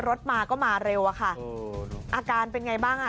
รถมาก็มาเร็วอะค่ะอาการเป็นไงบ้างอ่ะ